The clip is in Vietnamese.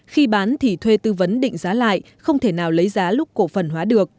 khi bán thì thuê tư vấn định giá lại không thể nào lấy giá lúc cổ phần hóa được